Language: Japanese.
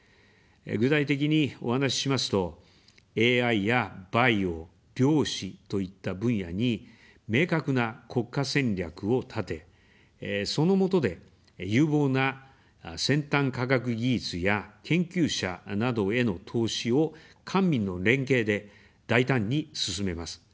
具体的にお話ししますと、ＡＩやバイオ、量子といった分野に明確な国家戦略を立て、そのもとで、有望な先端科学技術や研究者などへの投資を官民の連携で大胆に進めます。